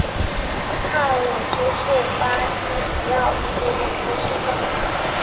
帕武苏是巴西皮奥伊州的一个市镇。